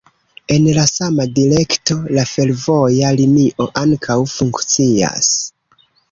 En la sama direkto, la fervoja linio ankaŭ funkcias.